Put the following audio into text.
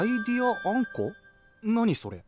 何それ？